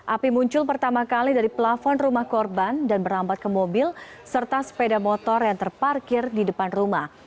api muncul pertama kali dari pelafon rumah korban dan merambat ke mobil serta sepeda motor yang terparkir di depan rumah